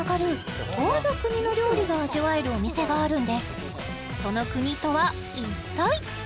ここにその国とは一体？